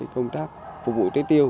công tác phục vụ tưới tiêu